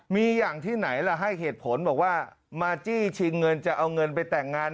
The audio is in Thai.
มีอย่างที่ไหนล่ะให้เหตุผลบอกว่ามาจี้ชิงเงินจะเอาเงินไปแต่งงาน